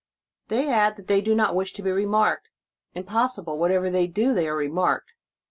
They add that they do not wish to be re marked. Impossible! whatever they do, they are remarked.